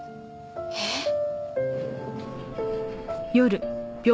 えっ！？